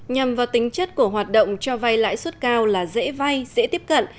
nhằm vào tính chất của hoạt động cho vay lãi suất cao là dễ vay dễ tiếp cận